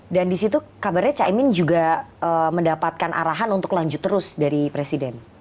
dan disitu kabarnya caimin juga mendapatkan arahan untuk lanjut terus dari presiden